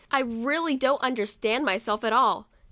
I really don't understand myself at all.